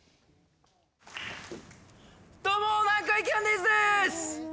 どうも南海キャンディーズでーす。